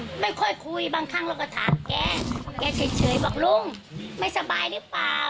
ไม่ค่อยคุยบางครั้งเราก็ถามแกแกเฉยบอกลุงไม่สบายหรือเปล่า